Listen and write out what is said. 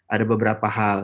ada beberapa hal